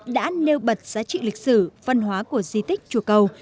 đã nêu bật giá trị lịch sử văn hóa của di tích chùa cầu